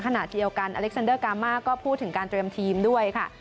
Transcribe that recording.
ขณะเดียวกันอเล็กซันเดอร์กามาก็พูดถึงการเตรียมทีมด้วยค่ะ